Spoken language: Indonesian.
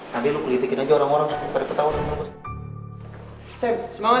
tanti lu pelitikin aja orang orang supaya ketawa sama gua